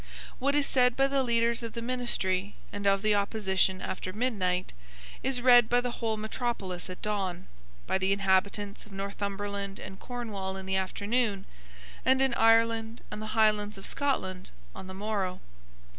What is said by the leaders of the ministry and of the opposition after midnight is read by the whole metropolis at dawn, by the inhabitants of Northumberland and Cornwall in the afternoon, and in Ireland and the Highlands of Scotland on the morrow.